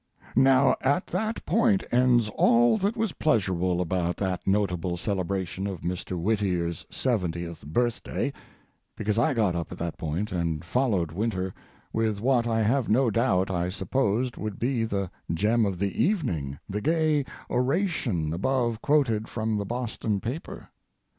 Now at that point ends all that was pleasurable about that notable celebration of Mr. Whittier's seventieth birthday—because I got up at that point and followed Winter, with what I have no doubt I supposed would be the gem of the evening—the gay oration above quoted from the Boston paper.